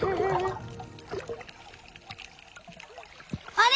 あれ？